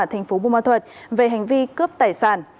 thành phố bù ma thuật về hành vi cướp tài sản